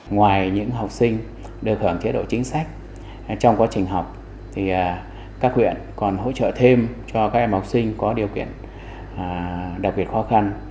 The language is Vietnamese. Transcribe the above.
ngoài những học sinh được hưởng chế độ chính sách trong quá trình học thì các huyện còn hỗ trợ thêm cho các em học sinh có điều kiện đặc biệt khó khăn